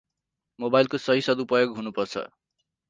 Mobile को सहि सदुपयोग हुनुपर्छ ।